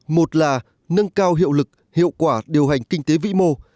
một là nâng cao hiệu lực hiệu quả điều hành kinh tế vĩ mô